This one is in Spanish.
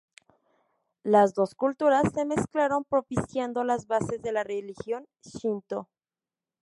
Las dos culturas se mezclaron, propiciando las bases de la religión shinto.